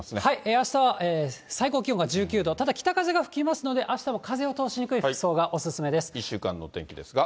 あすは最高気温が１９度、ただ北風が吹きますので、あしたも風を通しにくい服装がお勧めです。